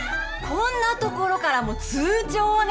こんなところからも通帳が。